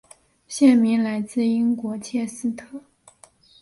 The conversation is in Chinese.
县名来自英国切斯特。